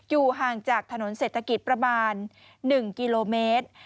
อยู่ห่างจากถนนเศรษฐกิจประมาณ๑กิโลเมตร